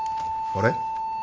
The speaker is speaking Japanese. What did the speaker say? あれ？